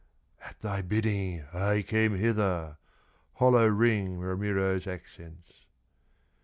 "At thy bidding I came hither," Hollow ring Ramiro's accents.